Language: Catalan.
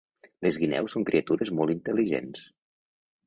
Les guineus són criatures molt intel·ligents.